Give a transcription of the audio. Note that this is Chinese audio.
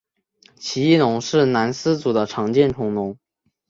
奇异龙是兰斯组的常见恐龙。